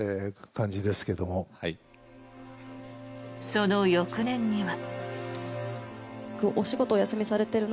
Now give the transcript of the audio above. その翌年には。